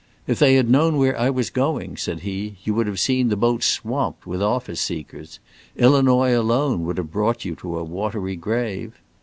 "If they had known where I was going," said he, "you would have seen the boat swamped with office seekers. Illinois alone would have brought you to a watery grave."